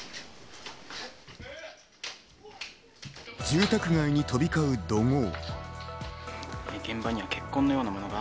住宅街に飛び交う怒号。